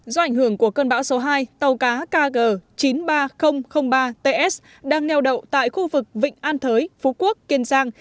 do ảnh hưởng của cơn bão số hai tàu cá kg chín mươi ba nghìn ba ts đang neo đậu tại khu vực vịnh an thới phú quốc kiên giang